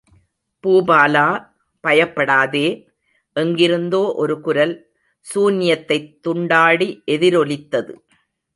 பூபாலா, பயப்படாதே! எங்கிருந்தோ ஒரு குரல் சூன்யத்தைத் துண்டாடி எதிரொலித்தது.